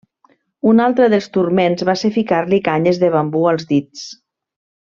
Un altre dels turments va ser ficar-li canyes de bambú als dits.